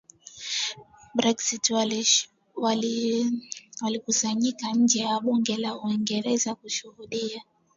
Brexit walikusanyika nje ya bunge la Uingereza kushuhudia